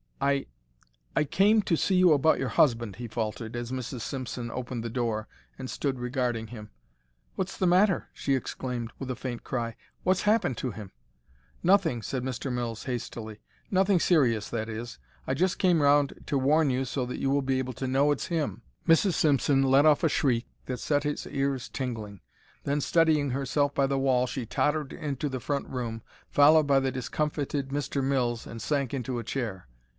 "I—I—came—to see you about your husband," he faltered, as Mrs. Simpson opened the door and stood regarding him. "What's the matter?" she exclaimed, with a faint cry. "What's happened to him?" "Nothing," said Mr. Mills, hastily. "Nothing serious, that is. I just came round to warn you so that you will be able to know it's him." Mrs. Simpson let off a shriek that set his ears tingling. Then, steadying herself by the wall, she tottered into the front room, followed by the discomfited Mr. Mills, and sank into a chair.